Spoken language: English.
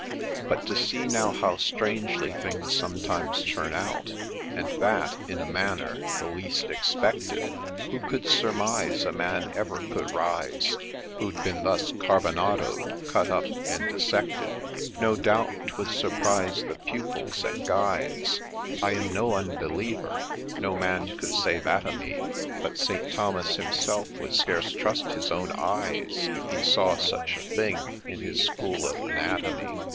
But to see now how strangely things sometimes turn out, And that in a manner the least expected ! Who could surmise a man ever could rise Who'd been thus carbonado'd, cut up, and dissected ? No doubt 't would surprise the pupils at Guy's ; I am no unbeliever — no man can say that o' me — But St. Thomas himself would scarce trust his own eyes If he saw such a thing in his School of Anatomy.